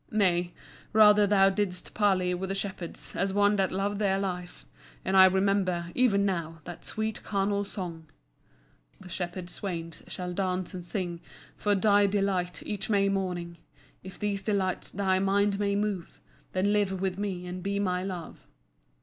Nay, rather thou didst parley with the shepherds as one that loved their life; and I remember, even now, that sweet carnal song The Shepherd swains shall dance and sing, For thy delight, each May morning; If these delights thy mind may move, Then live with me and be my love.